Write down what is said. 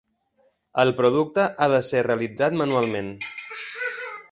El producte ha de ser realitzat manualment.